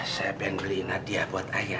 saya pengen beliin hadiah buat ayah